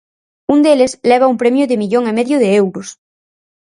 Un deles leva un premio de millón e medio de euros.